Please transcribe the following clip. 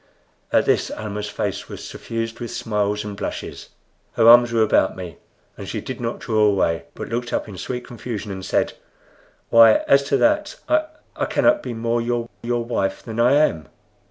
At this Almah's face became suffused with smiles and blushes. Her arms were about me, and she did not draw away, but looked up in sweet confusion and said, "Why, as to that I I cannot be more your your wife than I am."